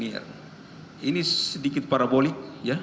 ini sedikit parabolik